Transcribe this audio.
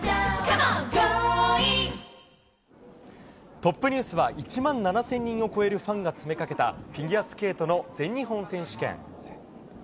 トップニュースは１万７０００人を超えるファンが詰めかけたフィギュアスケートの全日本選手権。